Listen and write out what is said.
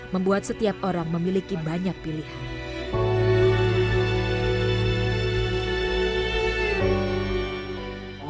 membuat setiap orang memiliki banyak pilihan